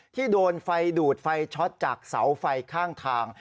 ที่โดนไฟดูดไฟช็อตจากเสาไฟข้างทาง